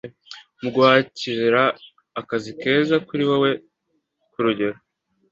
muguhakiha akazi keza kuri wowe Kurugero,